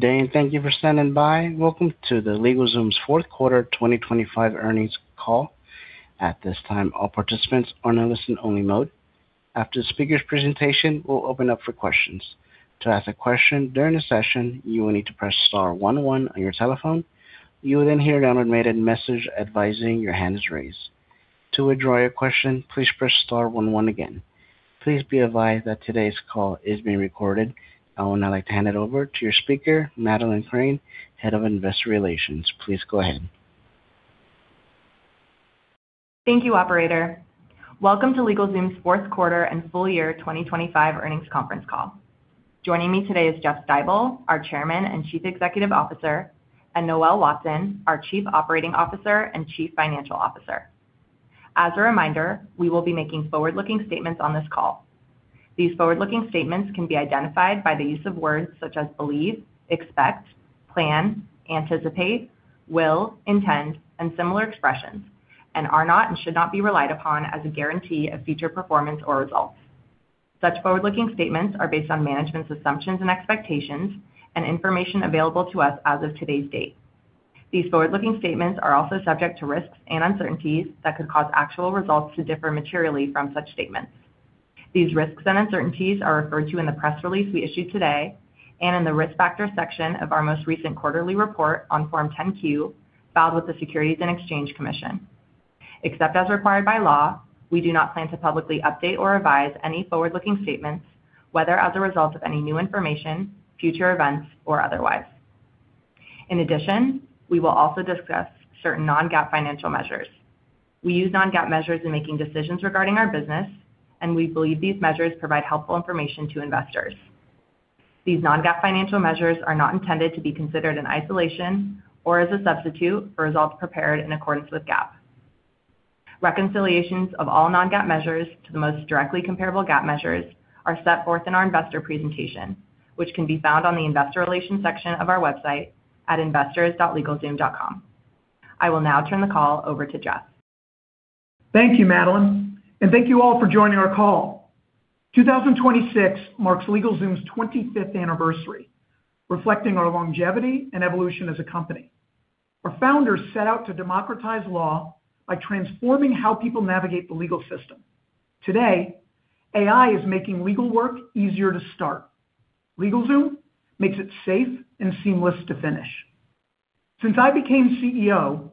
Good day, and thank you for standing by. Welcome to the LegalZoom's fourth quarter, 2025 earnings call. At this time, all participants are in a listen-only mode. After the speaker's presentation, we'll open up for questions. To ask a question during the session, you will need to press star one one on your telephone. You will then hear an automated message advising your hand is raised. To withdraw your question, please press star one one again. Please be advised that today's call is being recorded. I would now like to hand it over to your speaker, Madeleine Crane, Head of Investor Relations. Please go ahead. Thank you, operator. Welcome to LegalZoom's fourth quarter and full year 2025 earnings conference call. Joining me today is Jeff Stibel, our Chairman and Chief Executive Officer, and Noel Watson, our Chief Operating Officer and Chief Financial Officer. As a reminder, we will be making forward-looking statements on this call. These forward-looking statements can be identified by the use of words such as believe, expect, plan, anticipate, will, intend, and similar expressions, and are not and should not be relied upon as a guarantee of future performance or results. Such forward-looking statements are based on management's assumptions and expectations and information available to us as of today's date. These forward-looking statements are also subject to risks and uncertainties that could cause actual results to differ materially from such statements. These risks and uncertainties are referred to in the press release we issued today and in the Risk Factors section of our most recent quarterly report on Form 10-Q, filed with the Securities and Exchange Commission. Except as required by law, we do not plan to publicly update or revise any forward-looking statements, whether as a result of any new information, future events, or otherwise. In addition, we will also discuss certain non-GAAP financial measures. We use non-GAAP measures in making decisions regarding our business, and we believe these measures provide helpful information to investors. These non-GAAP financial measures are not intended to be considered in isolation or as a substitute for results prepared in accordance with GAAP. Reconciliations of all non-GAAP measures to the most directly comparable GAAP measures are set forth in our investor presentation, which can be found on the Investor Relations section of our website at investors.legalzoom.com. I will now turn the call over to Jeff. Thank you, Madeleine, and thank you all for joining our call. 2026 marks LegalZoom's 25th anniversary, reflecting our longevity and evolution as a company. Our founders set out to democratize law by transforming how people navigate the legal system. Today, AI is making legal work easier to start. LegalZoom makes it safe and seamless to finish. Since I became CEO,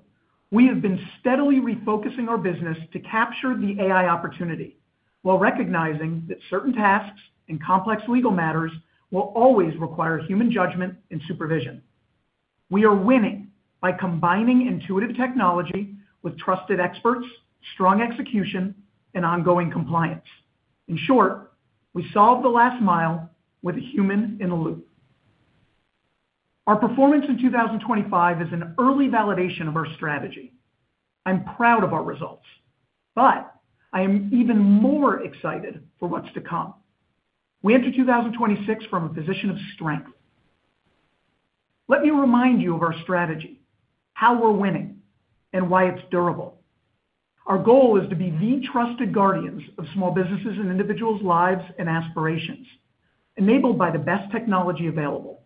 we have been steadily refocusing our business to capture the AI opportunity, while recognizing that certain tasks and complex legal matters will always require human judgment and supervision. We are winning by combining intuitive technology with trusted experts, strong execution, and ongoing compliance. In short, we solve the last mile with a human in the loop. Our performance in 2025 is an early validation of our strategy. I'm proud of our results, but I am even more excited for what's to come. We enter 2026 from a position of strength. Let me remind you of our strategy, how we're winning, and why it's durable. Our goal is to be the trusted guardians of small businesses and individuals' lives and aspirations, enabled by the best technology available.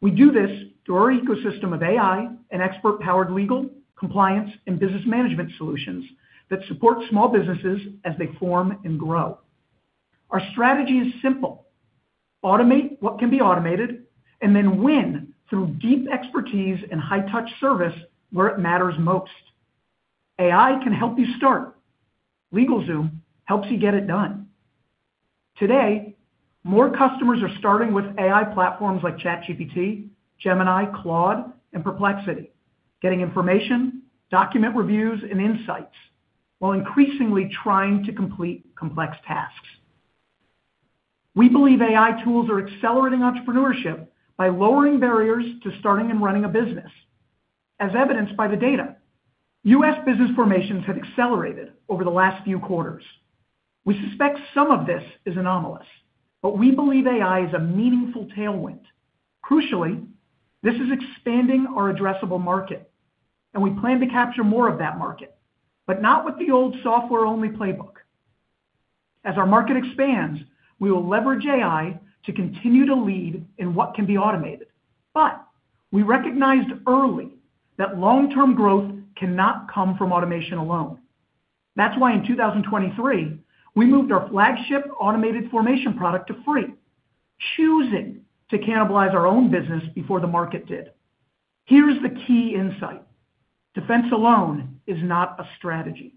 We do this through our ecosystem of AI and expert-powered legal, compliance, and business management solutions that support small businesses as they form and grow. Our strategy is simple: automate what can be automated, and then win through deep expertise and high-touch service where it matters most. AI can help you start. LegalZoom helps you get it done. Today, more customers are starting with AI platforms like ChatGPT, Gemini, Claude, and Perplexity, getting information, document reviews, and insights while increasingly trying to complete complex tasks. We believe AI tools are accelerating entrepreneurship by lowering barriers to starting and running a business, as evidenced by the data. U.S. business formations have accelerated over the last few quarters. We suspect some of this is anomalous, but we believe AI is a meaningful tailwind. Crucially, this is expanding our addressable market, and we plan to capture more of that market, but not with the old software-only playbook. As our market expands, we will leverage AI to continue to lead in what can be automated. But we recognized early that long-term growth cannot come from automation alone. That's why in 2023, we moved our flagship automated formation product to free, choosing to cannibalize our own business before the market did. Here's the key insight: defense alone is not a strategy.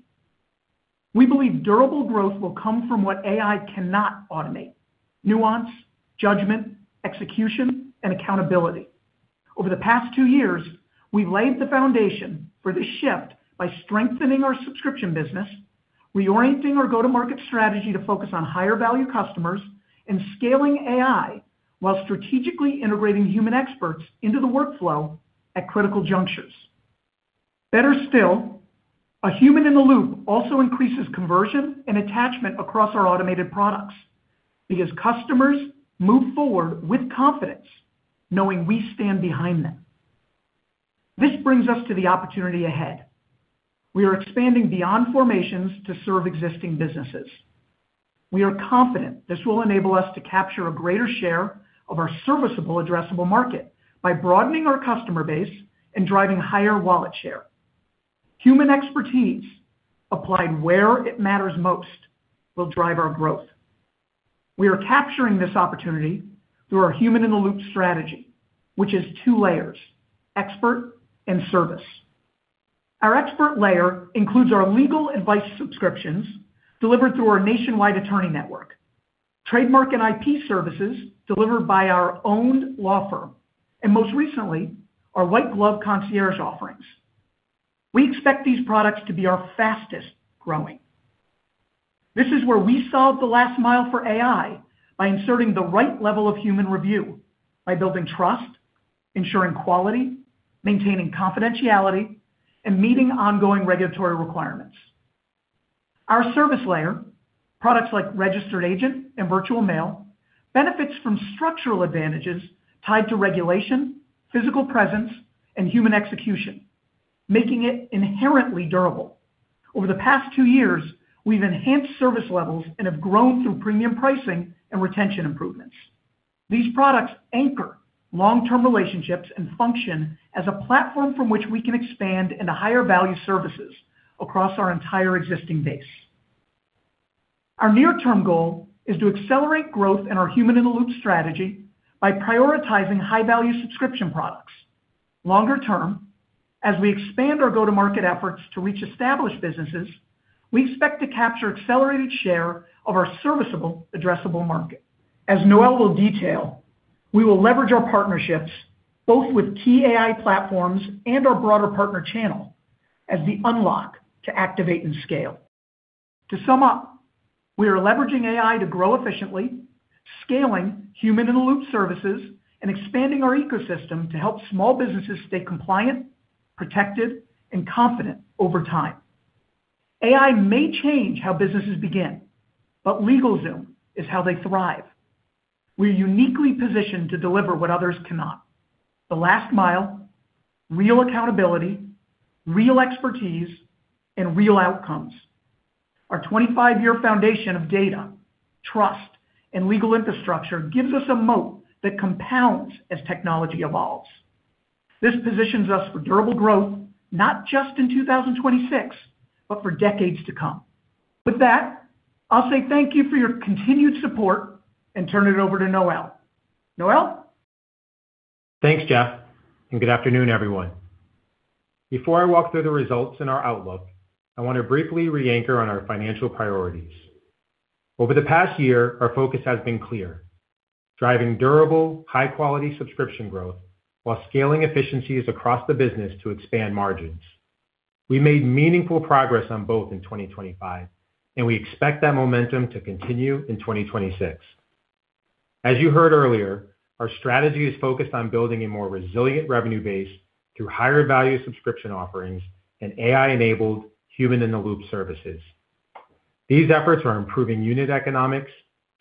We believe durable growth will come from what AI cannot automate: nuance, judgment, execution, and accountability. Over the past two years, we've laid the foundation for this shift by strengthening our subscription business, reorienting our go-to-market strategy to focus on higher-value customers, and scaling AI while strategically integrating human experts into the workflow at critical junctures. Better still, a human-in-the-loop also increases conversion and attachment across our automated products because customers move forward with confidence, knowing we stand behind them. This brings us to the opportunity ahead. We are expanding beyond formations to serve existing businesses. We are confident this will enable us to capture a greater share of our serviceable addressable market by broadening our customer base and driving higher wallet share. Human expertise, applied where it matters most, will drive our growth. We are capturing this opportunity through our human-in-the-loop strategy, which is two layers, expert and service. Our expert layer includes our legal advice subscriptions delivered through our nationwide attorney network, trademark and IP services delivered by our own law firm, and most recently, our white-glove concierge offerings. We expect these products to be our fastest-growing. This is where we solve the last mile for AI by inserting the right level of human review, by building trust, ensuring quality, maintaining confidentiality, and meeting ongoing regulatory requirements. Our service layer, products like registered agent and virtual mail, benefits from structural advantages tied to regulation, physical presence, and human execution, making it inherently durable. Over the past two years, we've enhanced service levels and have grown through premium pricing and retention improvements. These products anchor long-term relationships and function as a platform from which we can expand into higher-value services across our entire existing base. Our near-term goal is to accelerate growth in our human-in-the-loop strategy by prioritizing high-value subscription products. Longer term, as we expand our go-to-market efforts to reach established businesses, we expect to capture accelerated share of our serviceable addressable market. As Noel will detail, we will leverage our partnerships, both with key AI platforms and our broader partner channel, as the unlock to activate and scale. To sum up, we are leveraging AI to grow efficiently, scaling human-in-the-loop services, and expanding our ecosystem to help small businesses stay compliant, protected, and confident over time. AI may change how businesses begin, but LegalZoom is how they thrive. We're uniquely positioned to deliver what others cannot: the last mile, real accountability, real expertise, and real outcomes. Our 25-year foundation of data, trust, and legal infrastructure gives us a moat that compounds as technology evolves. This positions us for durable growth, not just in 2026, but for decades to come. With that, I'll say thank you for your continued support and turn it over to Noel. Noel? Thanks, Jeff, and good afternoon, everyone. Before I walk through the results and our outlook, I want to briefly reanchor on our financial priorities. Over the past year, our focus has been clear: driving durable, high-quality subscription growth while scaling efficiencies across the business to expand margins. We made meaningful progress on both in 2025, and we expect that momentum to continue in 2026. As you heard earlier, our strategy is focused on building a more resilient revenue base through higher-value subscription offerings and AI-enabled human-in-the-loop services. These efforts are improving unit economics,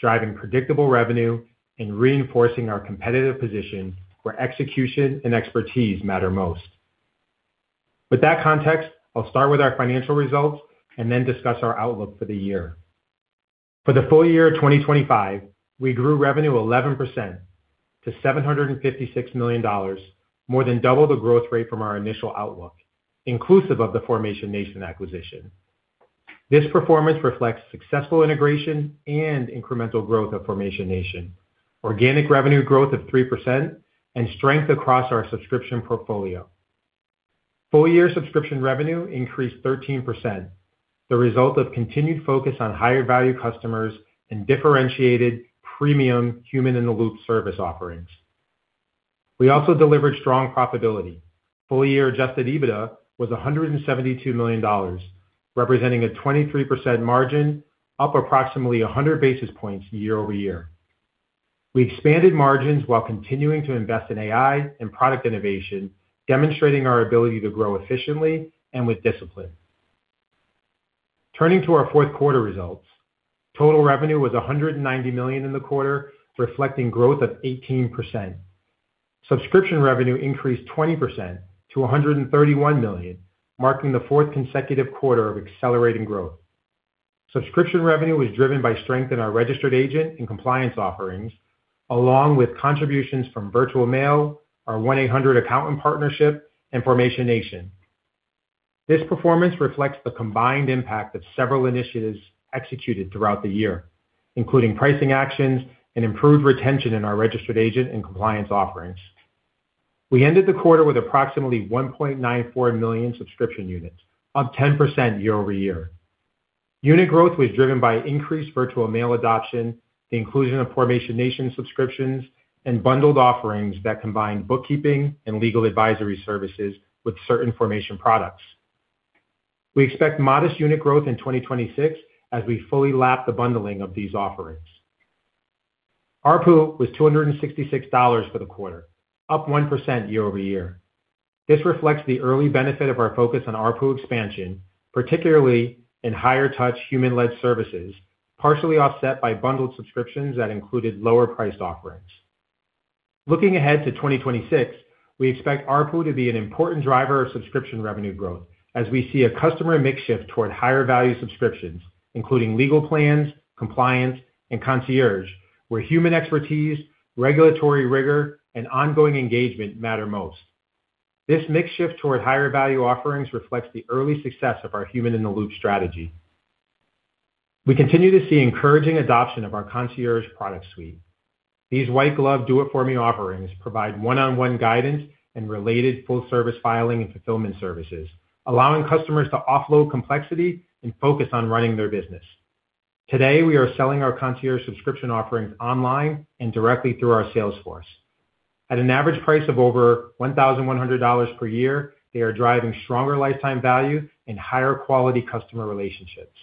driving predictable revenue, and reinforcing our competitive position where execution and expertise matter most. With that context, I'll start with our financial results and then discuss our outlook for the year. For the full year of 2025, we grew revenue 11% to $756 million, more than double the growth rate from our initial outlook, inclusive of the Formation Nation acquisition. This performance reflects successful integration and incremental growth of Formation Nation, organic revenue growth of 3%, and strength across our subscription portfolio. Full year subscription revenue increased 13%, the result of continued focus on higher-value customers and differentiated premium human-in-the-loop service offerings. We also delivered strong profitability. Full year Adjusted EBITDA was $172 million, representing a 23% margin, up approximately 100 basis points year-over-year. We expanded margins while continuing to invest in AI and product innovation, demonstrating our ability to grow efficiently and with discipline. Turning to our fourth quarter results, total revenue was $190 million in the quarter, reflecting growth of 18%. Subscription revenue increased 20% to $131 million, marking the fourth consecutive quarter of accelerating growth. Subscription revenue was driven by strength in our registered agent and compliance offerings, along with contributions from Virtual Mail, our 1-800Accountant partnership, Formation Nation. This performance reflects the combined impact of several initiatives executed throughout the year, including pricing actions and improved retention in our registered agent and compliance offerings. We ended the quarter with approximately 1.94 million subscription units, up 10% year-over-year. Unit growth was driven by increased virtual mail adoption, the inclusion Formation Nation subscriptions, and bundled offerings that combined bookkeeping and legal advisory services with certain Formation products. We expect modest unit growth in 2026 as we fully lap the bundling of these offerings. ARPU was $266 for the quarter, up 1% year over year. This reflects the early benefit of our focus on ARPU expansion, particularly in higher-touch, human-led services, partially offset by bundled subscriptions that included lower-priced offerings. Looking ahead to 2026, we expect ARPU to be an important driver of subscription revenue growth, as we see a customer mix shift toward higher value subscriptions, including legal plans, compliance, and concierge, where human expertise, regulatory rigor, and ongoing engagement matter most. This mix shift toward higher value offerings reflects the early success of our human-in-the-loop strategy. We continue to see encouraging adoption of our concierge product suite. These white-glove, do-it-for-me offerings provide one-on-one guidance and related full-service filing and fulfillment services, allowing customers to offload complexity and focus on running their business. Today, we are selling our concierge subscription offerings online and directly through our sales force. At an average price of over $1,100 per year, they are driving stronger lifetime value and higher quality customer relationships.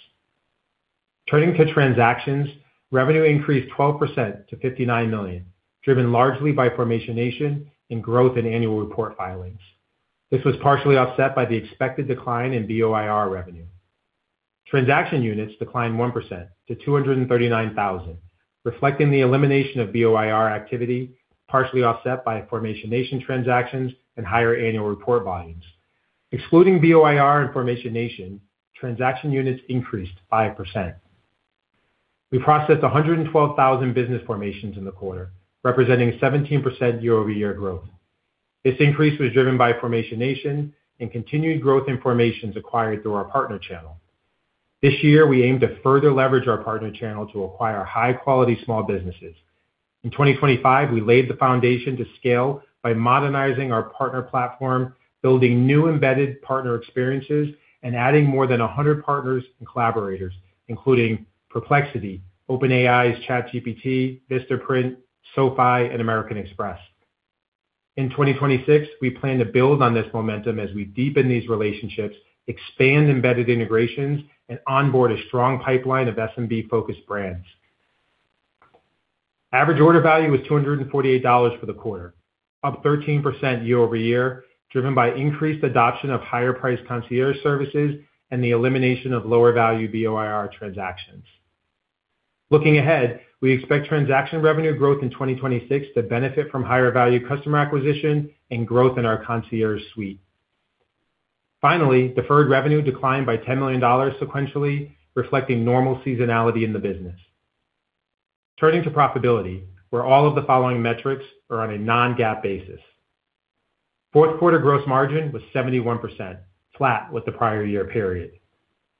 Turning to transactions, revenue increased 12% to $59 million, driven largely Formation Nation and growth in annual report filings. This was partially offset by the expected decline in BOIR revenue. Transaction units declined 1% to 239,000, reflecting the elimination of BOIR activity, partially offset Formation Nation transactions and higher annual report volumes. Excluding BOIR Formation Nation, transaction units increased 5%. We processed 112,000 business formations in the quarter, representing 17% year-over-year growth. This increase was driven Formation Nation and continued growth in formations acquired through our partner channel. This year, we aim to further leverage our partner channel to acquire high-quality small businesses. In 2025, we laid the foundation to scale by modernizing our partner platform, building new embedded partner experiences, and adding more than 100 partners and collaborators, including Perplexity, OpenAI's ChatGPT, Vistaprint, SoFi, and American Express. In 2026, we plan to build on this momentum as we deepen these relationships, expand embedded integrations, and onboard a strong pipeline of SMB-focused brands. Average order value was $248 for the quarter, up 13% year-over-year, driven by increased adoption of higher-priced concierge services and the elimination of lower-value BOIR transactions. Looking ahead, we expect transaction revenue growth in 2026 to benefit from higher-value customer acquisition and growth in our concierge suite. Finally, deferred revenue declined by $10 million sequentially, reflecting normal seasonality in the business. Turning to profitability, where all of the following metrics are on a non-GAAP basis. Fourth quarter gross margin was 71%, flat with the prior year period.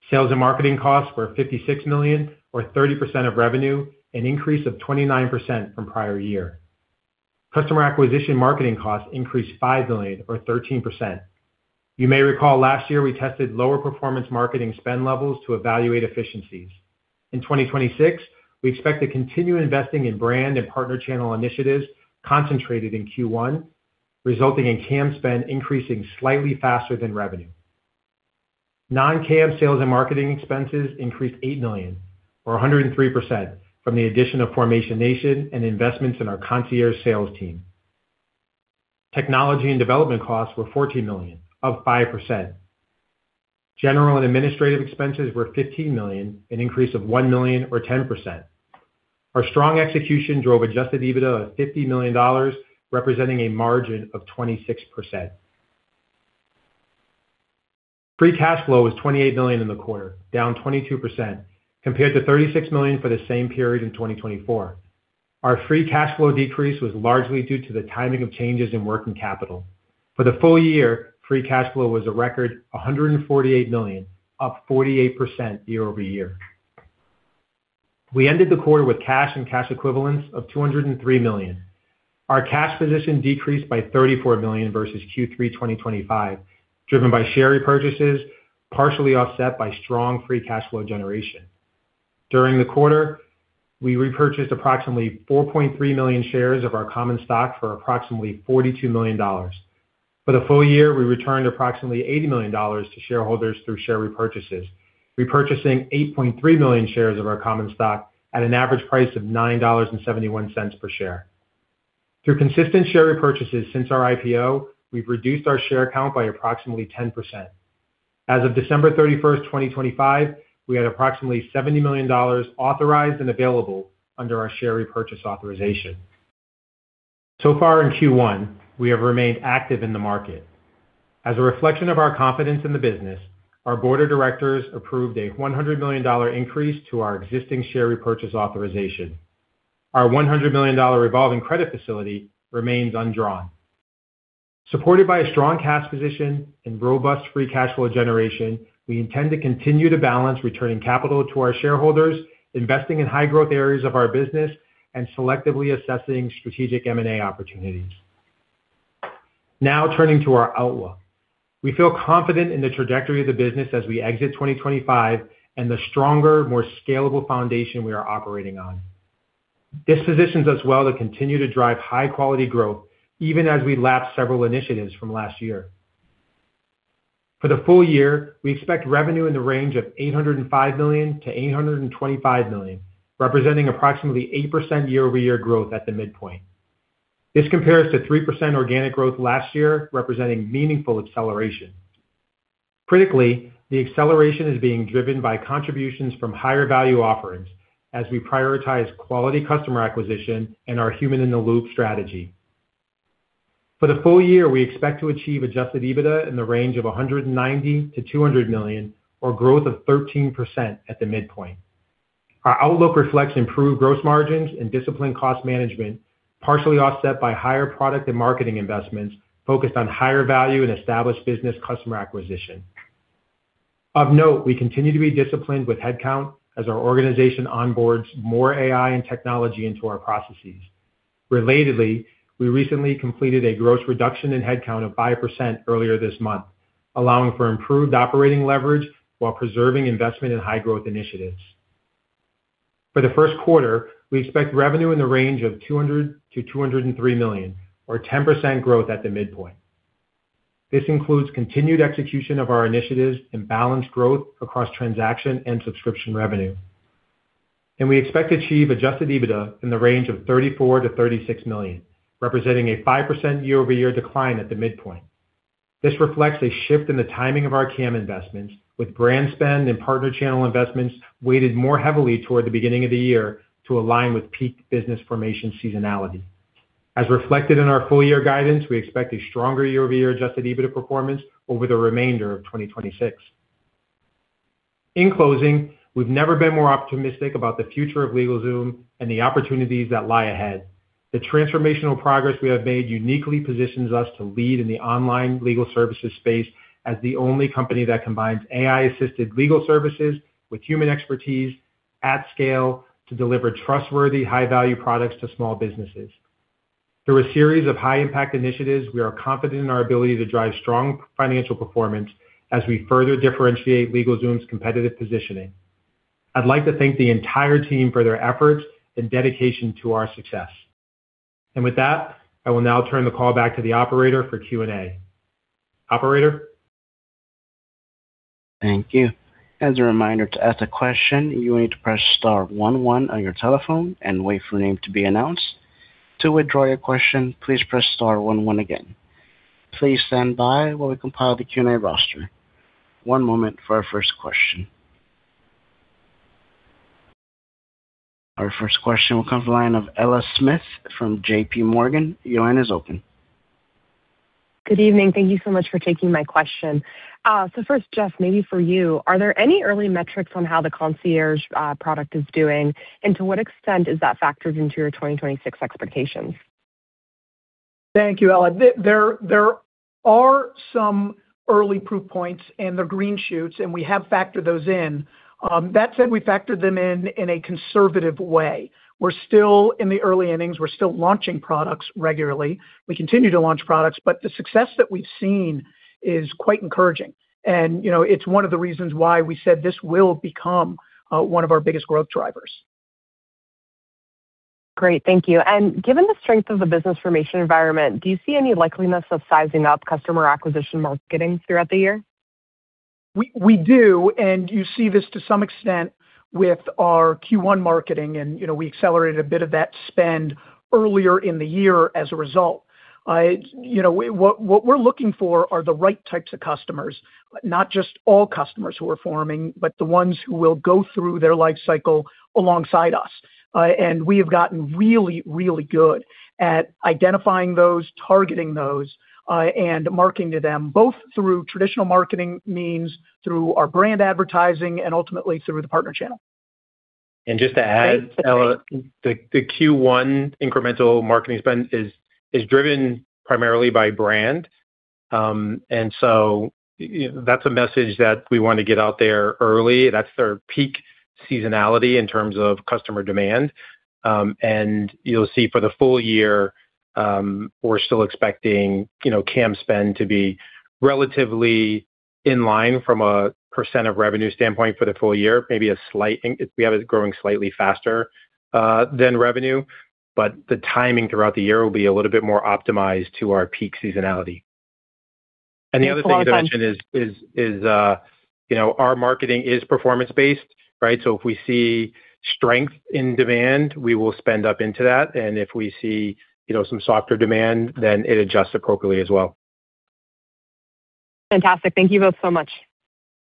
Sales and marketing costs were $56 million, or 30% of revenue, an increase of 29% from prior year. Customer acquisition marketing costs increased $5 million, or 13%. You may recall last year, we tested lower performance marketing spend levels to evaluate efficiencies. In 2026, we expect to continue investing in brand and partner channel initiatives concentrated in Q1, resulting in CAM spend increasing slightly faster than revenue. Non-CAM sales and marketing expenses increased $8 million, or 103% from the addition Formation Nation and investments in our concierge sales team. Technology and development costs were $14 million, up 5%. General and administrative expenses were $15 million, an increase of $1 million or 10%. Our strong execution drove Adjusted EBITDA of $50 million, representing a margin of 26%. Free cash flow was $28 million in the quarter, down 22%, compared to $36 million for the same period in 2024. Our free cash flow decrease was largely due to the timing of changes in working capital. For the full year, free cash flow was a record $148 million, up 48% year over year. We ended the quarter with cash and cash equivalents of $203 million. Our cash position decreased by $34 million versus Q3 2025, driven by share repurchases, partially offset by strong free cash flow generation. During the quarter, we repurchased approximately 4.3 million shares of our common stock for approximately $42 million. For the full year, we returned approximately $80 million to shareholders through share repurchases, repurchasing 8.3 million shares of our common stock at an average price of $9.71 per share. Through consistent share repurchases since our IPO, we've reduced our share count by approximately 10%. As of December 31, 2025, we had approximately $70 million authorized and available under our share repurchase authorization. So far in Q1, we have remained active in the market. As a reflection of our confidence in the business, our board of directors approved a $100 million increase to our existing share repurchase authorization. Our $100 million revolving credit facility remains undrawn. Supported by a strong cash position and robust free cash flow generation, we intend to continue to balance returning capital to our shareholders, investing in high-growth areas of our business, and selectively assessing strategic M&A opportunities. Now, turning to our outlook. We feel confident in the trajectory of the business as we exit 2025 and the stronger, more scalable foundation we are operating on. This positions us well to continue to drive high-quality growth, even as we lap several initiatives from last year. For the full year, we expect revenue in the range of $805 million-$825 million, representing approximately 8% year-over-year growth at the midpoint. This compares to 3% organic growth last year, representing meaningful acceleration. Critically, the acceleration is being driven by contributions from higher value offerings as we prioritize quality customer acquisition and our human-in-the-loop strategy. For the full year, we expect to achieve Adjusted EBITDA in the range of $100 million-$200 million, or growth of 13% at the midpoint. Our outlook reflects improved gross margins and disciplined cost management, partially offset by higher product and marketing investments focused on higher value and established business customer acquisition. Of note, we continue to be disciplined with headcount as our organization onboards more AI and technology into our processes. Relatedly, we recently completed a gross reduction in headcount of 5% earlier this month, allowing for improved operating leverage while preserving investment in high growth initiatives. For the first quarter, we expect revenue in the range of $200 million-$203 million, or 10% growth at the midpoint. This includes continued execution of our initiatives and balanced growth across transaction and subscription revenue. We expect to achieve Adjusted EBITDA in the range of $34 million-$36 million, representing a 5% year-over-year decline at the midpoint. This reflects a shift in the timing of our CAM investments, with brand spend and partner channel investments weighted more heavily toward the beginning of the year to align with peak business formation seasonality. As reflected in our full year guidance, we expect a stronger year-over-year Adjusted EBITDA performance over the remainder of 2026. In closing, we've never been more optimistic about the future of LegalZoom and the opportunities that lie ahead. The transformational progress we have made uniquely positions us to lead in the online legal services space as the only company that combines AI-assisted legal services with human expertise at scale, to deliver trustworthy, high-value products to small businesses. Through a series of high-impact initiatives, we are confident in our ability to drive strong financial performance as we further differentiate LegalZoom's competitive positioning. I'd like to thank the entire team for their efforts and dedication to our success. With that, I will now turn the call back to the operator for Q&A. Operator? Thank you. As a reminder, to ask a question, you will need to press star one one on your telephone and wait for your name to be announced. To withdraw your question, please press star one one again. Please stand by while we compile the Q&A roster. One moment for our first question. Our first question will come from the line of Ella Smith from JP Morgan. Your line is open. Good evening. Thank you so much for taking my question. First, Jeff, maybe for you, are there any early metrics on how the concierge product is doing? And to what extent is that factored into your 2026 expectations? Thank you, Ella. There are some early proof points and they're green shoots, and we have factored those in. That said, we factored them in in a conservative way. We're still in the early innings. We're still launching products regularly. We continue to launch products, but the success that we've seen is quite encouraging. You know, it's one of the reasons why we said this will become one of our biggest growth drivers. Great. Thank you. Given the strength of the business formation environment, do you see any likelihood of sizing up customer acquisition marketing throughout the year? We, we do, and you see this to some extent with our Q1 marketing, and, you know, we accelerated a bit of that spend earlier in the year as a result. You know, what, what we're looking for are the right types of customers, not just all customers who are forming, but the ones who will go through their life cycle alongside us. And we have gotten really, really good at identifying those, targeting those, and marketing to them, both through traditional marketing means, through our brand advertising, and ultimately through the partner channel. And just to add, Ella, the Q1 incremental marketing spend is driven primarily by brand. And so that's a message that we want to get out there early. That's their peak seasonality in terms of customer demand. And you'll see for the full year, we're still expecting, you know, CAM spend to be relatively in line from a percent of revenue standpoint for the full year, maybe a slight. We have it growing slightly faster than revenue, but the timing throughout the year will be a little bit more optimized to our peak seasonality. Thanks so much. The other thing to mention is, you know, our marketing is performance-based, right? So if we see strength in demand, we will spend up into that, and if we see, you know, some softer demand, then it adjusts appropriately as well. Fantastic. Thank you both so much.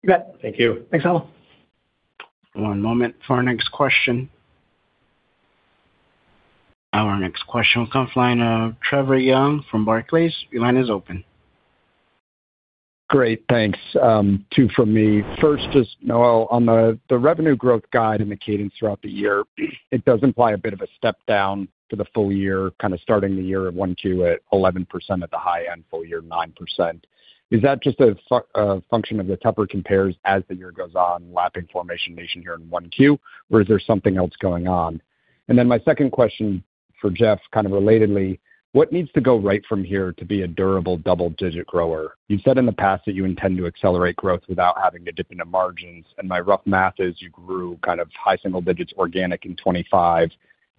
You bet. Thank you. Thanks, Ella. One moment for our next question. Our next question will come from the line of Trevor Young from Barclays. Your line is open. Great, thanks. Two from me. First, just Noel, on the revenue growth guide and the cadence throughout the year, it does imply a bit of a step down for the full year, kind of starting the year at 12% at the high end, full year 9%. Is that just a function of the tougher compares as the year goes on, Formation Nation here in 1Q, or is there something else going on? Then my second question for Jeff, kind of relatedly, what needs to go right from here to be a durable double-digit grower? You've said in the past that you intend to accelerate growth without having to dip into margins, and my rough math is you grew kind of high single digits organic in 2025,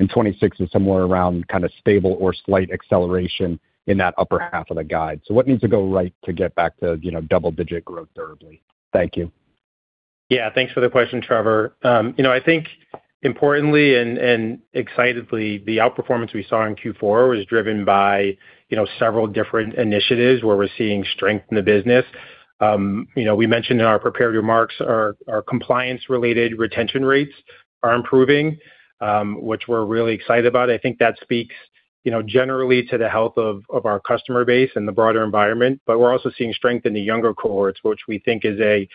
and 2026 is somewhere around kind of stable or slight acceleration in that upper half of the guide. So what needs to go right to get back to, you know, double-digit growth durably? Thank you.... Yeah, thanks for the question, Trevor. You know, I think importantly and excitedly, the outperformance we saw in Q4 was driven by, you know, several different initiatives where we're seeing strength in the business. You know, we mentioned in our prepared remarks our compliance-related retention rates are improving, which we're really excited about. I think that speaks, you know, generally to the health of our customer base and the broader environment. But we're also seeing strength in the younger cohorts, which we think is a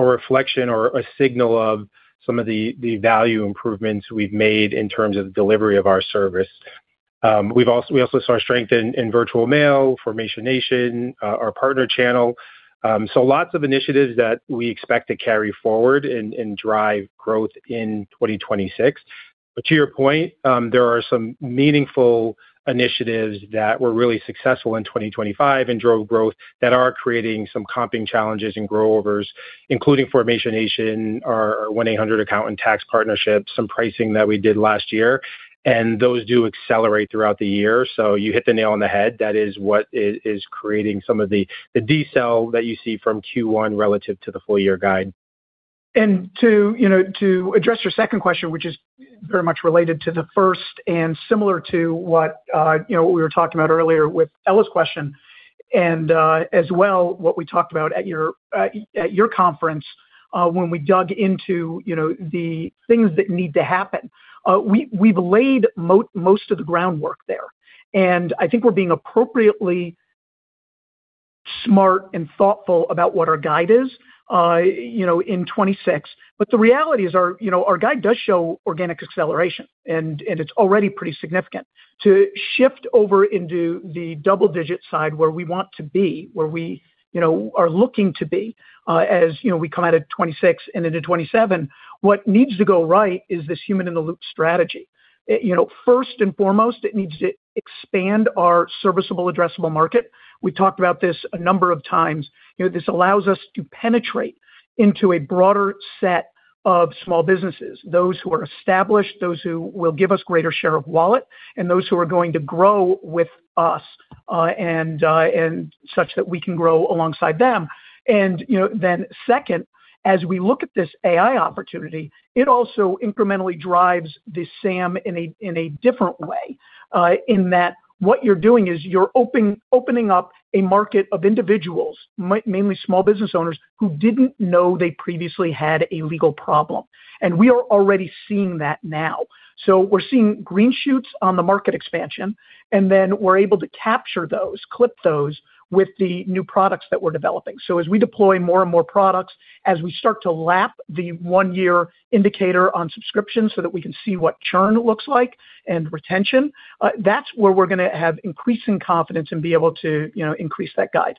reflection or a signal of some of the value improvements we've made in terms of delivery of our service. We also saw strength in virtual Formation Nation, our partner channel. So lots of initiatives that we expect to carry forward and drive growth in 2026. But to your point, there are some meaningful initiatives that were really successful in 2025 and drove growth that are creating some comping challenges and grow-overs, Formation Nation, our, our 1-800Accountant tax partnerships, some pricing that we did last year, and those do accelerate throughout the year. So you hit the nail on the head. That is what is creating some of the decel that you see from Q1 relative to the full year guide. To, you know, to address your second question, which is very much related to the first and similar to what, you know, we were talking about earlier with Ella's question, and, as well, what we talked about at your, at your conference, when we dug into, you know, the things that need to happen. We, we've laid most of the groundwork there, and I think we're being appropriately smart and thoughtful about what our guide is, you know, in 2026. But the reality is our, you know, our guide does show organic acceleration, and it's already pretty significant. To shift over into the double-digit side, where we want to be, where we, you know, are looking to be, as, you know, we come out of 2026 and into 2027, what needs to go right is this human-in-the-loop strategy. You know, first and foremost, it needs to expand our serviceable addressable market. We talked about this a number of times. You know, this allows us to penetrate into a broader set of small businesses, those who are established, those who will give us greater share of wallet, and those who are going to grow with us, and such that we can grow alongside them. And, you know, then second, as we look at this AI opportunity, it also incrementally drives the SAM in a different way, in that what you're doing is you're opening up a market of individuals, mainly small business owners, who didn't know they previously had a legal problem. And we are already seeing that now. So we're seeing green shoots on the market expansion, and then we're able to capture those, clip those with the new products that we're developing. So as we deploy more and more products, as we start to lap the one-year indicator on subscriptions so that we can see what churn looks like and retention, that's where we're gonna have increasing confidence and be able to, you know, increase that guide.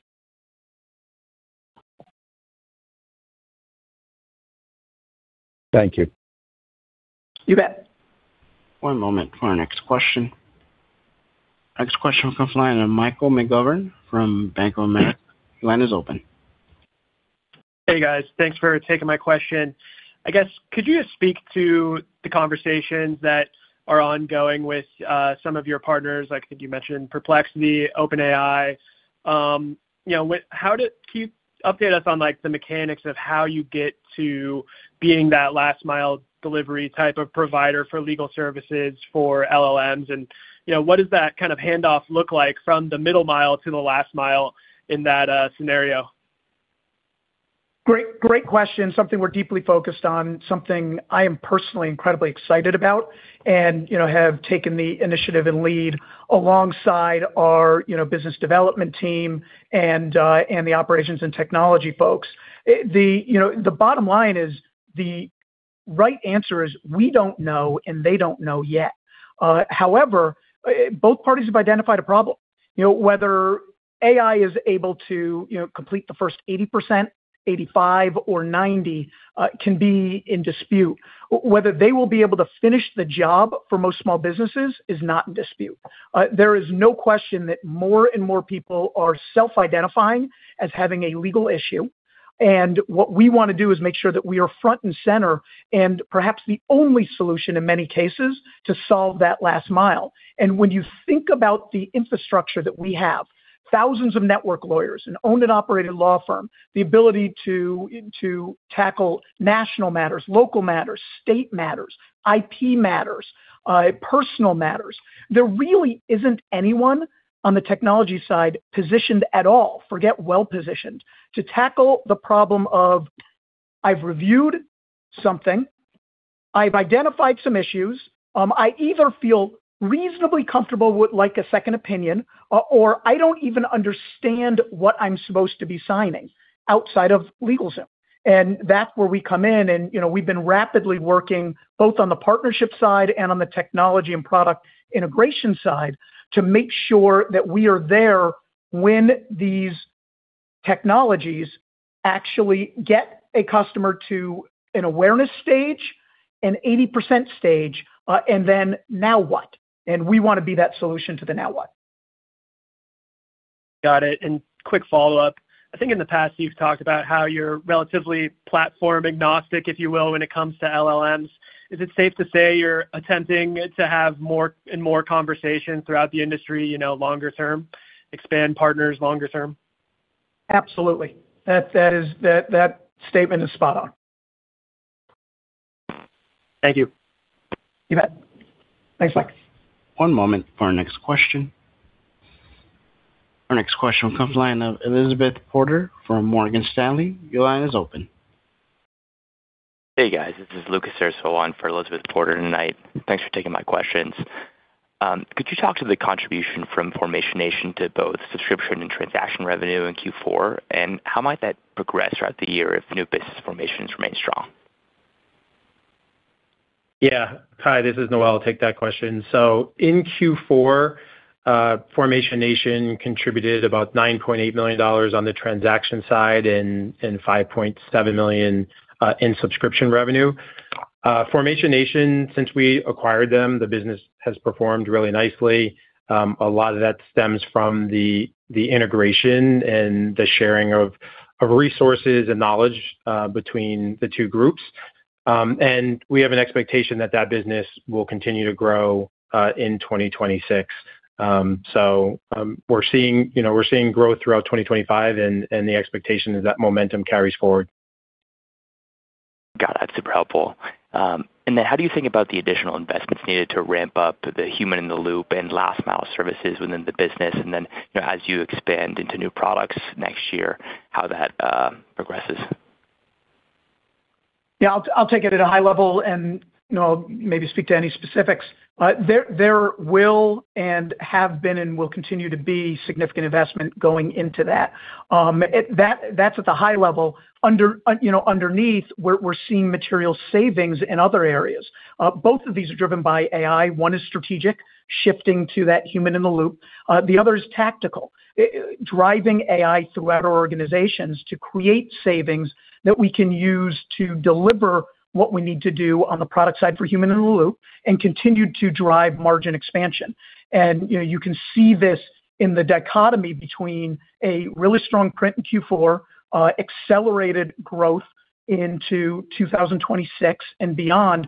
Thank you. You bet. One moment for our next question. Next question comes from the line of Michael McGovern from Bank of America. Your line is open. Hey, guys. Thanks for taking my question. I guess, could you just speak to the conversations that are ongoing with some of your partners? I think you mentioned Perplexity, OpenAI. You know, can you update us on, like, the mechanics of how you get to being that last mile delivery type of provider for legal services, for LLMs, and, you know, what does that kind of handoff look like from the middle mile to the last mile in that scenario? Great, great question. Something we're deeply focused on, something I am personally incredibly excited about and, you know, have taken the initiative and lead alongside our, you know, business development team and, and the operations and technology folks. The, you know, the bottom line is, the right answer is we don't know, and they don't know yet. However, both parties have identified a problem. You know, whether AI is able to, you know, complete the first 80%, 85, or 90, can be in dispute. Whether they will be able to finish the job for most small businesses is not in dispute. There is no question that more and more people are self-identifying as having a legal issue, and what we wanna do is make sure that we are front and center and perhaps the only solution in many cases, to solve that last mile. When you think about the infrastructure that we have, thousands of network lawyers, an owned and operated law firm, the ability to tackle national matters, local matters, state matters, IP matters, personal matters, there really isn't anyone on the technology side positioned at all, forget well-positioned, to tackle the problem of: I've reviewed something, I've identified some issues, I either feel reasonably comfortable with, like, a second opinion, or I don't even understand what I'm supposed to be signing outside of LegalZoom. That's where we come in, and, you know, we've been rapidly working, both on the partnership side and on the technology and product integration side, to make sure that we are there when these technologies actually get a customer to an awareness stage, an 80% stage, and then now what? We wanna be that solution to the now what. Got it, and quick follow-up. I think in the past, you've talked about how you're relatively platform-agnostic, if you will, when it comes to LLMs. Is it safe to say you're attempting to have more and more conversations throughout the industry, you know, longer term, expand partners longer term? Absolutely. That is spot on.... Thank you. You bet. Thanks, Mike. One moment for our next question. Our next question comes from the line of Elizabeth Porter from Morgan Stanley. Your line is open. Hey, guys. This is Lucas Cerce on for Elizabeth Porter tonight. Thanks for taking my questions. Could you talk to the contribution Formation Nation to both subscription and transaction revenue in Q4, and how might that progress throughout the year if new business formations remain strong? Yeah. Hi, this is Noel. I'll take that question. So in Formation Nation contributed about $9.8 million on the transaction side and $5.7 million in subscription Formation Nation, since we acquired them, the business has performed really nicely. A lot of that stems from the integration and the sharing of resources and knowledge between the two groups. And we have an expectation that that business will continue to grow in 2026. So, we're seeing, you know, we're seeing growth throughout 2025, and the expectation is that momentum carries forward. Got it. Super helpful. And then how do you think about the additional investments needed to ramp up the human in the loop and last mile services within the business, and then, you know, as you expand into new products next year, how that progresses? Yeah, I'll take it at a high level and, you know, maybe speak to any specifics. There will and have been and will continue to be significant investment going into that. That, that's at the high level. Underneath, you know, we're seeing material savings in other areas. Both of these are driven by AI. One is strategic, shifting to that human in the loop. The other is tactical, driving AI throughout our organizations to create savings that we can use to deliver what we need to do on the product side for human in the loop and continue to drive margin expansion. And, you know, you can see this in the dichotomy between a really strong print in Q4, accelerated growth into 2026 and beyond.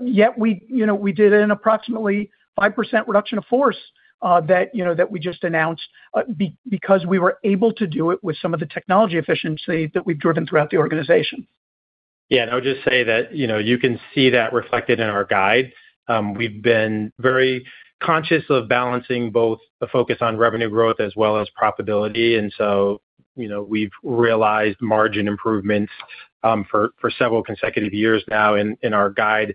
Yet we, you know, we did an approximately 5% reduction of force, that, you know, that we just announced, because we were able to do it with some of the technology efficiency that we've driven throughout the organization. Yeah, and I'll just say that, you know, you can see that reflected in our guide. We've been very conscious of balancing both the focus on revenue growth as well as profitability, and so, you know, we've realized margin improvements for several consecutive years now, and our guide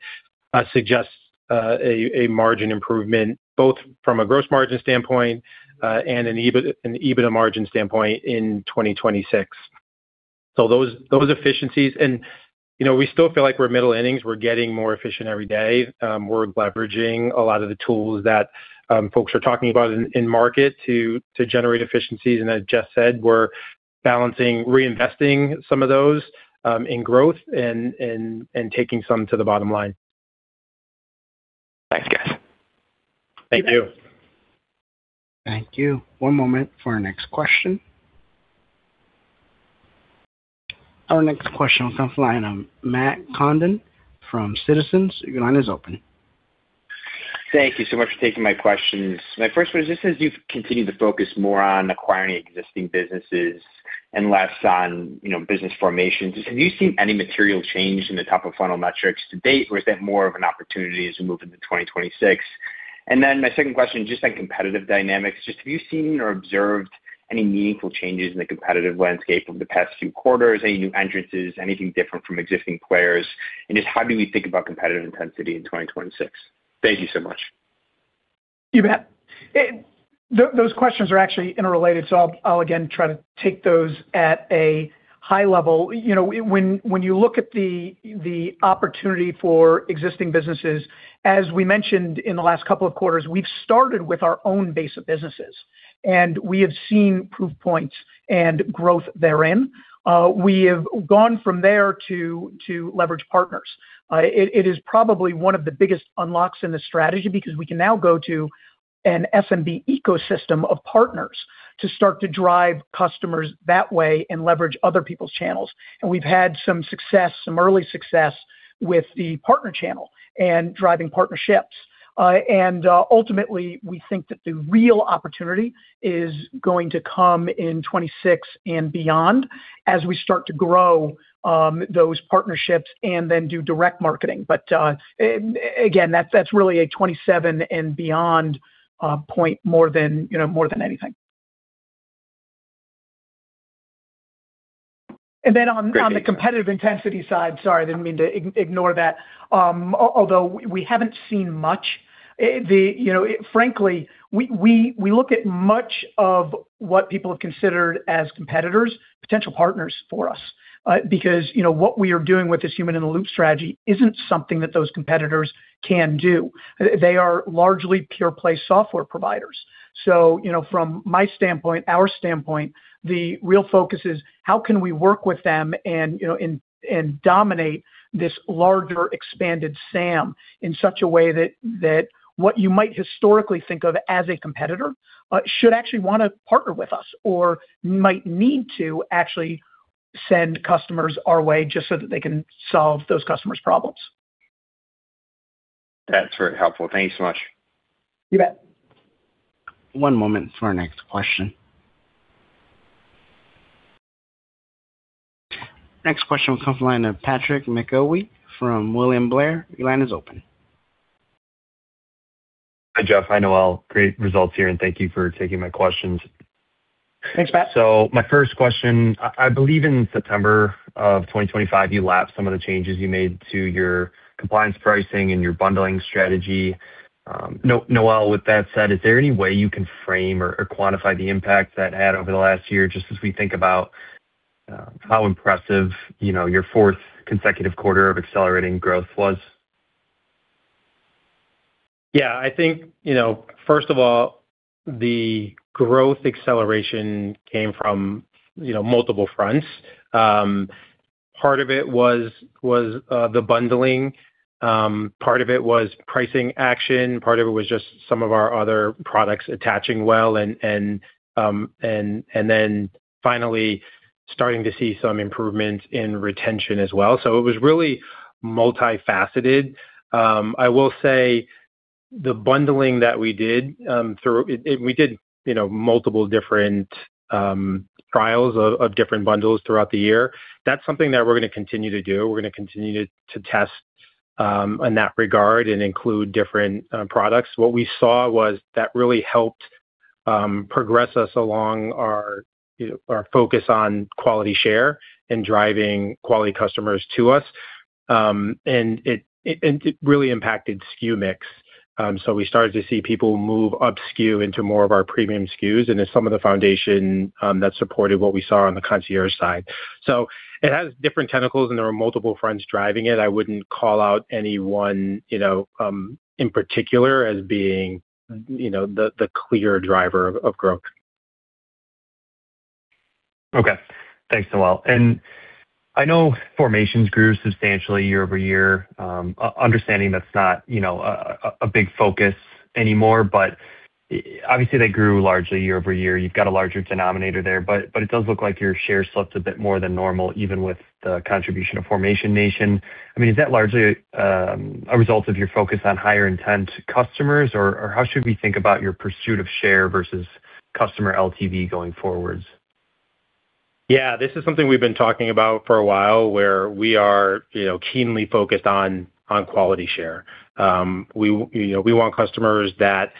suggests a margin improvement, both from a gross margin standpoint and an EBITDA margin standpoint in 2026. So those efficiencies, and, you know, we still feel like we're middle innings. We're getting more efficient every day. We're leveraging a lot of the tools that folks are talking about in market to generate efficiencies, and as Jeff said, we're balancing, reinvesting some of those in growth and taking some to the bottom line. Thanks, guys. Thank you. Thank you. Thank you. One moment for our next question. Our next question comes from the line of Matt Condon from Citizens. Your line is open. Thank you so much for taking my questions. My first one is, just as you've continued to focus more on acquiring existing businesses and less on, you know, business formations, have you seen any material change in the top of funnel metrics to date, or is that more of an opportunity as we move into 2026? And then my second question, just on competitive dynamics, just have you seen or observed any meaningful changes in the competitive landscape over the past few quarters, any new entrances, anything different from existing players? And just how do we think about competitive intensity in 2026? Thank you so much. You bet. Those questions are actually interrelated, so I'll again try to take those at a high level. You know, when you look at the opportunity for existing businesses, as we mentioned in the last couple of quarters, we've started with our own base of businesses, and we have seen proof points and growth therein. We have gone from there to leverage partners. It is probably one of the biggest unlocks in the strategy because we can now go to an SMB ecosystem of partners to start to drive customers that way and leverage other people's channels. And we've had some success, some early success with the partner channel and driving partnerships. Ultimately, we think that the real opportunity is going to come in 2026 and beyond as we start to grow those partnerships and then do direct marketing. But again, that's really a 2027 and beyond point more than, you know, more than anything. And then on- Great. On the competitive intensity side, sorry, I didn't mean to ignore that. Although we haven't seen much. You know, frankly, we look at much of what people have considered as competitors, potential partners for us. Because, you know, what we are doing with this human-in-the-loop strategy isn't something that those competitors can do. They are largely pure-play software providers. So, you know, from my standpoint, our standpoint, the real focus is: How can we work with them and, you know, and, and dominate this larger expanded SAM in such a way that what you might historically think of as a competitor should actually want to partner with us or might need to actually send customers our way just so that they can solve those customers' problems. That's very helpful. Thank you so much. You bet. One moment for our next question. Next question will come from the line of Patrick McHowie from William Blair. Your line is open. Hi, Jeff. Hi, Noel. Great results here, and thank you for taking my questions. Thanks, Pat. So my first question, I believe in September of 2025, you lapsed some of the changes you made to your compliance pricing and your bundling strategy. Noel, with that said, is there any way you can frame or quantify the impact that had over the last year, just as we think about how impressive, you know, your fourth consecutive quarter of accelerating growth was? Yeah, I think, you know, first of all, the growth acceleration came from, you know, multiple fronts. Part of it was the bundling. Part of it was pricing action, part of it was just some of our other products attaching well and then finally starting to see some improvements in retention as well. So it was really multifaceted. I will say the bundling that we did. We did, you know, multiple different trials of different bundles throughout the year. That's something that we're going to continue to do. We're going to continue to test in that regard and include different products. What we saw was that really helped progress us along our focus on quality share and driving quality customers to us. And it really impacted SKU mix. So we started to see people move up SKU into more of our premium SKUs and in some of the foundation that supported what we saw on the concierge side. So it has different tentacles, and there are multiple fronts driving it. I wouldn't call out any one, you know, in particular as being, you know, the clear driver of growth. Okay. Thanks, Noel. And I know formations grew substantially year over year. Understanding that's not, you know, a big focus anymore, but obviously they grew largely year over year. You've got a larger denominator there, but it does look like your share slipped a bit more than normal, even with the contribution Formation Nation. I mean, is that largely a result of your focus on higher intent customers, or how should we think about your pursuit of share versus customer LTV going forwards? Yeah, this is something we've been talking about for a while, where we are, you know, keenly focused on quality share. We, you know, we want customers that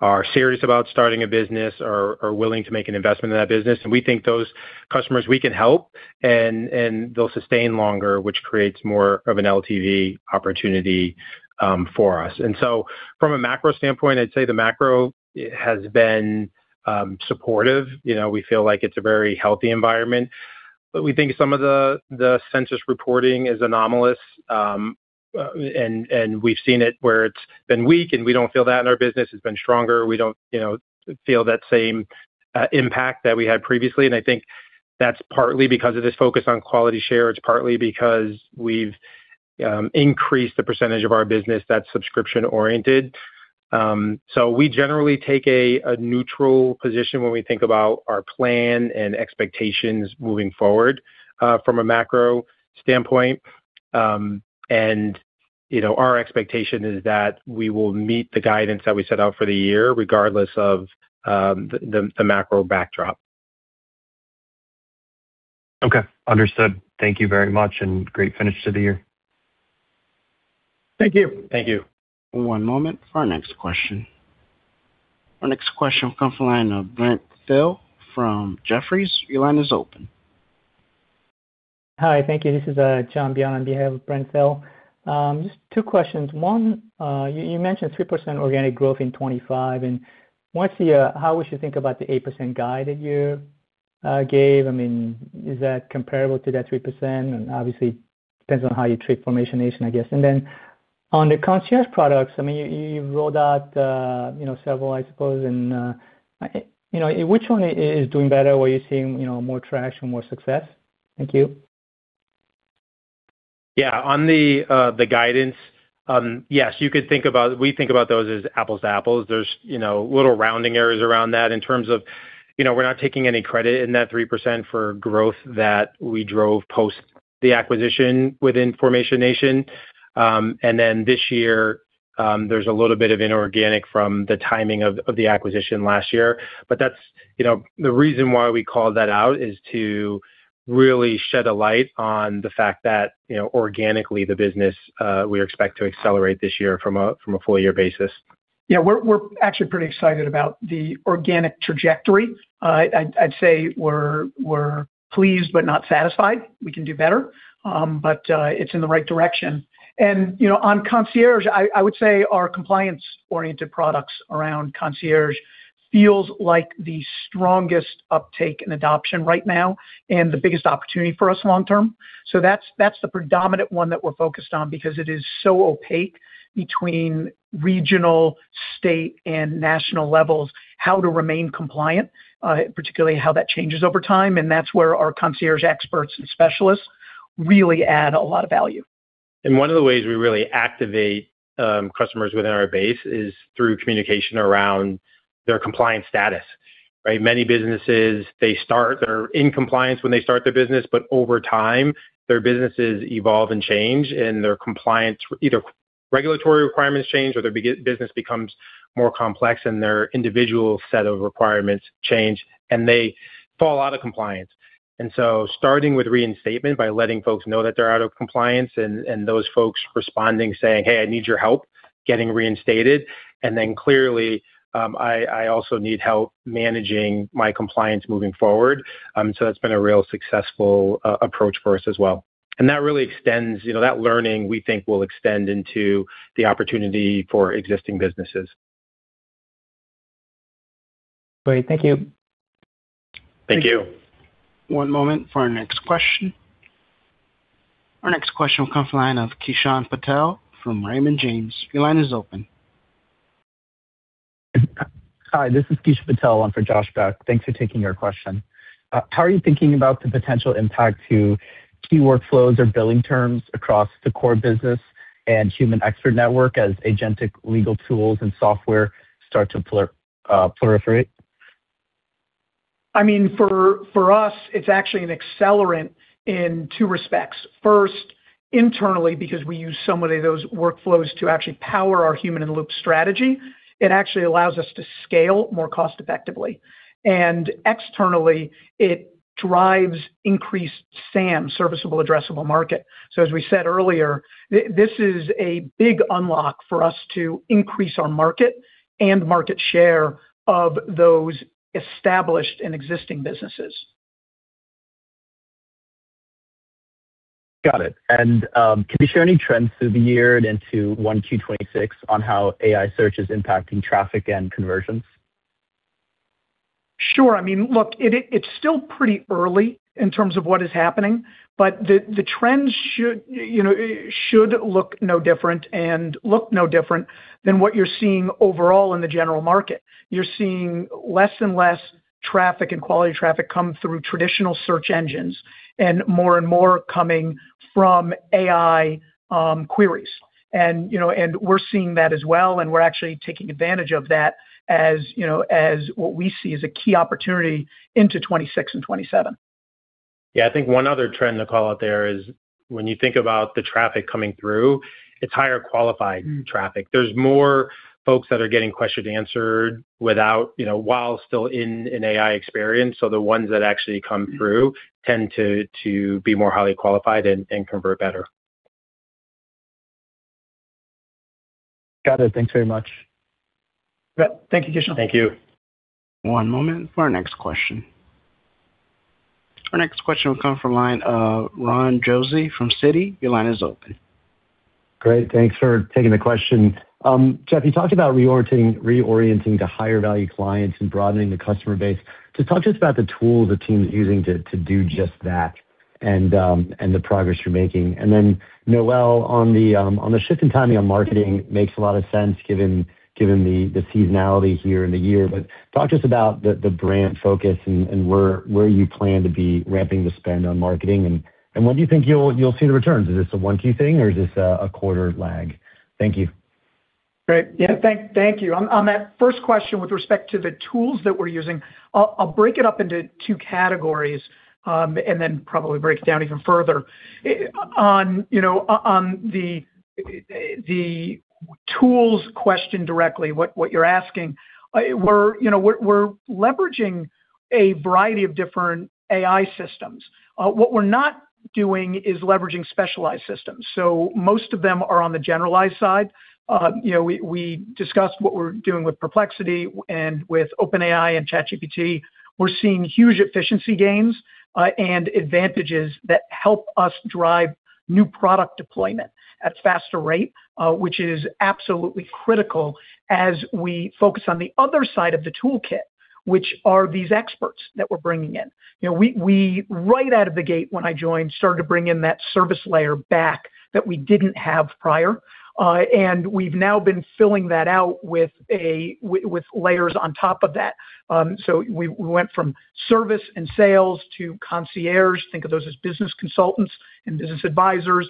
are serious about starting a business or willing to make an investment in that business, and we think those customers we can help and they'll sustain longer, which creates more of an LTV opportunity for us. And so from a macro standpoint, I'd say the macro has been supportive. You know, we feel like it's a very healthy environment. But we think some of the census reporting is anomalous, and we've seen it where it's been weak, and we don't feel that in our business has been stronger. We don't, you know, feel that same impact that we had previously. I think that's partly because of this focus on quality share. It's partly because we've increased the percentage of our business that's subscription-oriented. So we generally take a neutral position when we think about our plan and expectations moving forward, from a macro standpoint. And, you know, our expectation is that we will meet the guidance that we set out for the year, regardless of the macro backdrop. Okay, understood. Thank you very much, and great finish to the year. Thank you. Thank you. One moment for our next question. Our next question comes from the line of Brent Thill from Jefferies. Your line is open. Hi, thank you. This is, John Byun on behalf of Brent Thill. Just two questions. One, you, you mentioned 3% organic growth in 25, and what's the, how we should think about the 8% guide that you gave? I mean, is that comparable to that 3%? And obviously, it depends on how you Formation Nation, I guess. And then on the concierge products, I mean, you, you rolled out, you know, several, I suppose, and, you know, which one is doing better? Where you're seeing, you know, more traction, more success? Thank you. Yeah. On the guidance, yes, you could think about, we think about those as apples to apples. There's, you know, little rounding errors around that in terms of, you know, we're not taking any credit in that 3% for growth that we drove post the acquisition Formation Nation. And then this year, there's a little bit of inorganic from the timing of the acquisition last year. But that's. You know, the reason why we called that out is to really shed a light on the fact that, you know, organically, the business, we expect to accelerate this year from a full year basis. Yeah. We're actually pretty excited about the organic trajectory. I'd say we're pleased, but not satisfied. We can do better, but it's in the right direction. You know, on concierge, I would say our compliance-oriented products around concierge feels like the strongest uptake in adoption right now and the biggest opportunity for us long term. So that's the predominant one that we're focused on because it is so opaque between regional, state, and national levels, how to remain compliant, particularly how that changes over time, and that's where our concierge experts and specialists really add a lot of value. And one of the ways we really activate customers within our base is through communication around their compliance status, right? Many businesses, they start, they're in compliance when they start their business, but over time, their businesses evolve and change, and their regulatory requirements change, or their business becomes more complex, and their individual set of requirements change, and they fall out of compliance. And so starting with reinstatement, by letting folks know that they're out of compliance, and those folks responding, saying, "Hey, I need your help getting reinstated," and then clearly, "I also need help managing my compliance moving forward." So that's been a real successful approach for us as well. And that really extends, you know, that learning, we think, will extend into the opportunity for existing businesses. Great. Thank you. Thank you. One moment for our next question. Our next question will come from the line of Kishan Patel from Raymond James. Your line is open. Hi, this is Kishan Patel. I'm for Josh Beck. Thanks for taking our question. How are you thinking about the potential impact to key workflows or billing terms across the core business and human expert network as agentic legal tools and software start to proliferate? I mean, for us, it's actually an accelerant in two respects. First, internally, because we use so many of those workflows to actually power our human-in-the-loop strategy, it actually allows us to scale more cost-effectively. And externally, it drives increased SAM, serviceable addressable market. So as we said earlier, this is a big unlock for us to increase our market and market share of those established and existing businesses. Got it. And, can you share any trends through the year and into 1Q 2026 on how AI search is impacting traffic and conversions? Sure. I mean, look, it, it's still pretty early in terms of what is happening, but the, the trends should, you know, should look no different and look no different than what you're seeing overall in the general market. You're seeing less and less traffic and quality traffic come through traditional search engines, and more and more coming from AI queries. And, you know, and we're seeing that as well, and we're actually taking advantage of that, as, you know, as what we see as a key opportunity into 2026 and 2027. Yeah, I think one other trend to call out there is when you think about the traffic coming through, it's higher qualified traffic. There's more folks that are getting questions answered without, you know, while still in an AI experience, so the ones that actually come through tend to be more highly qualified and convert better. Got it. Thanks very much. Yeah. Thank you, Kishan. Thank you. One moment for our next question. Our next question will come from line of Ron Josey from Citi. Your line is open. Great. Thanks for taking the question. Jeff, you talked about reorienting to higher-value clients and broadening the customer base. Just talk to us about the tools the team's using to do just that and the progress you're making. And then, Noel, on the shift in timing on marketing, makes a lot of sense, given the seasonality here in the year. But talk to us about the brand focus and where you plan to be ramping the spend on marketing, and when do you think you'll see the returns? Is this a 1Q thing, or is this a quarter lag? Thank you. Great. Yeah, thank you. On that first question, with respect to the tools that we're using, I'll break it up into two categories, and then probably break it down even further. On, you know, on the tools question directly, what you're asking, we're, you know, we're leveraging a variety of different AI systems. What we're not doing is leveraging specialized systems, so most of them are on the generalized side. You know, we discussed what we're doing with Perplexity and with OpenAI and ChatGPT. We're seeing huge efficiency gains, and advantages that help us drive new product deployment at a faster rate, which is absolutely critical as we focus on the other side of the toolkit, which are these experts that we're bringing in. You know, we, we, right out of the gate, when I joined, started to bring in that service layer back that we didn't have prior, and we've now been filling that out with a... with layers on top of that. We went from service and sales to concierges, think of those as business consultants and business advisors,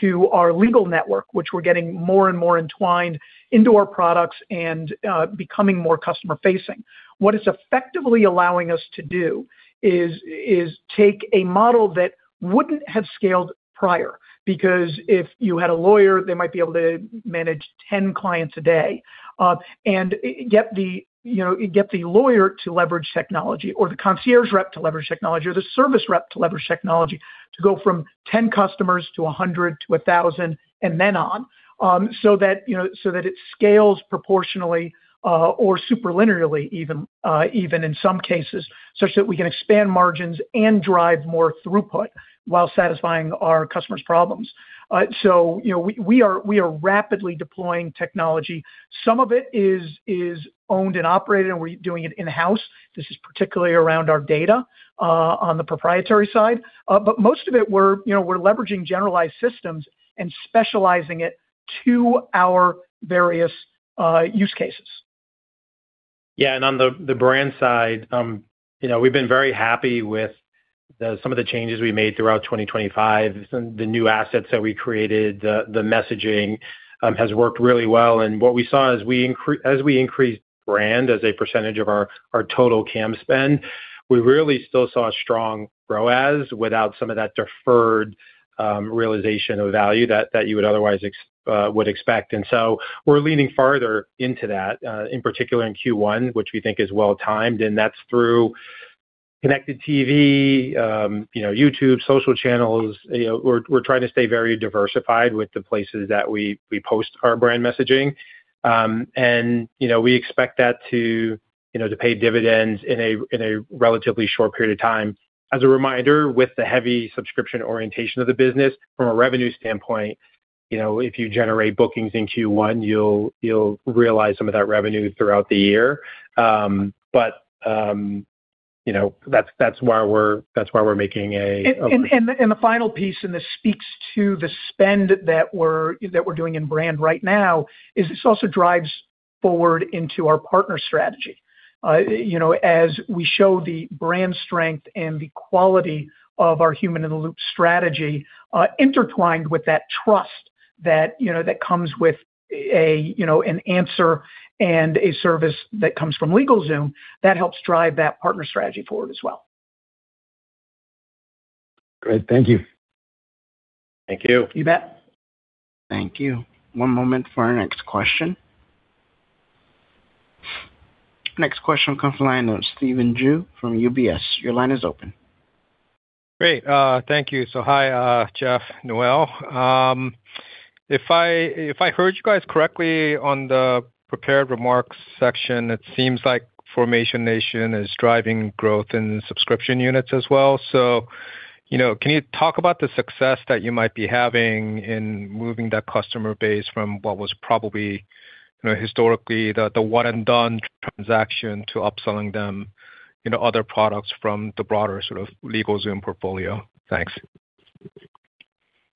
to our legal network, which we're getting more and more entwined into our products and becoming more customer-facing. What it's effectively allowing us to do is, is take a model that wouldn't have scaled prior, because if you had a lawyer, they might be able to manage 10 clients a day. And get the, you know, get the lawyer to leverage technology, or the concierge rep to leverage technology, or the service rep to leverage technology, to go from 10 customers to 100, to 1,000, and then on. So that, you know, so that it scales proportionally, or superlinearly, even in some cases, such that we can expand margins and drive more throughput while satisfying our customers' problems. So, you know, we, we are, we are rapidly deploying technology. Some of it is owned and operated, and we're doing it in-house. This is particularly around our data on the proprietary side. But most of it, we're, you know, we're leveraging generalized systems and specializing it to our various use cases. Yeah, and on the brand side, you know, we've been very happy with some of the changes we made throughout 2025, some the new assets that we created, the messaging has worked really well. And what we saw as we increase, as we increased brand as a percentage of our total CAM spend, we really still saw a strong ROAS without some of that deferred realization of value that you would otherwise expect. And so we're leaning farther into that in particular in Q1, which we think is well timed, and that's through connected TV, you know, YouTube, social channels. You know, we're trying to stay very diversified with the places that we post our brand messaging. You know, we expect that to, you know, to pay dividends in a relatively short period of time. As a reminder, with the heavy subscription orientation of the business, from a revenue standpoint, you know, if you generate bookings in Q1, you'll realize some of that revenue throughout the year. You know, that's why we're, that's why we're making a- And the final piece, and this speaks to the spend that we're doing in brand right now, is this also drives forward into our partner strategy. You know, as we show the brand strength and the quality of our human-in-the-loop strategy, intertwined with that trust that, you know, that comes with a, you know, an answer and a service that comes from LegalZoom, that helps drive that partner strategy forward as well. Great. Thank you. Thank you. You bet. Thank you. One moment for our next question. Next question comes from the line of Stephen Ju from UBS. Your line is open. Great, thank you. So, hi, Jeff, Noel. If I heard you guys correctly on the prepared remarks section, it seems Formation Nation is driving growth in subscription units as well. So, you know, can you talk about the success that you might be having in moving that customer base from what was probably, you know, historically the one-and-done transaction to upselling them, you know, other products from the broader sort of LegalZoom portfolio? Thanks.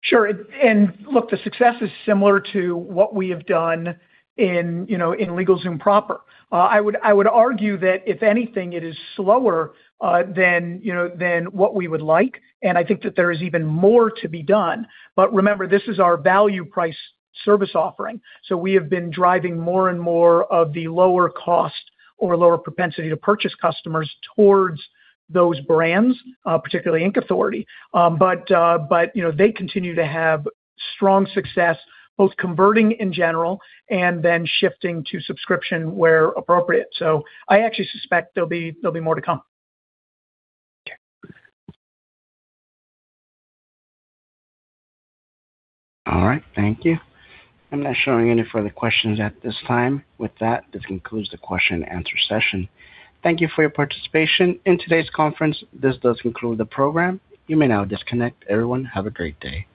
Sure. Look, the success is similar to what we have done in, you know, in LegalZoom proper. I would, I would argue that if anything, it is slower than, you know, than what we would like, and I think that there is even more to be done. Remember, this is our value price service offering, so we have been driving more and more of the lower cost or lower propensity to purchase customers towards those brands, particularly Inc Authority. But, but, you know, they continue to have strong success, both converting in general and then shifting to subscription where appropriate. I actually suspect there'll be, there'll be more to come. Okay. All right. Thank you. I'm not showing any further questions at this time. With that, this concludes the question and answer session. Thank you for your participation in today's conference. This does conclude the program. You may now disconnect. Everyone, have a great day.